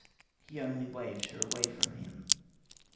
he only waived her away from him."